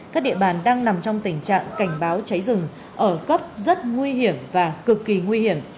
các địa bàn đang nằm trong tình trạng cảnh báo cháy rừng ở cấp rất nguy hiểm và cực kỳ nguy hiểm